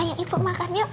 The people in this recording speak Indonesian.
ayo ibu makan yuk